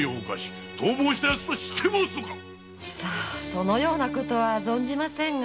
そのようなことは存じませんが。